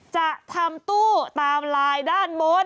จะทำตู้ตามลายด้านบน